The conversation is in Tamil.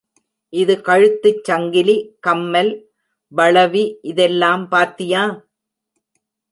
இது கழுத்துச் சங்கிலி, கம்மல், வளவி இதெல்லாம் பாத்தியா?